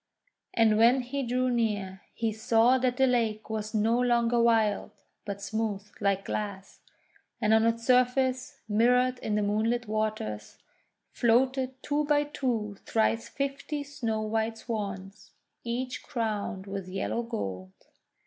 And when he drew near, he saw that the lake was no longer wild, but smooth like glass, and on its surface, mirrored in the moonlit waters, floated two by two thrice fifty snow white Swans, each crowned with yellow gold.